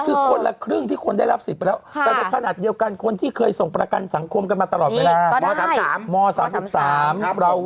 คือคนละครึ่งที่คนได้รับศิษย์ไว้แล้ว